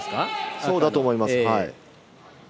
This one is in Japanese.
そうだと思います。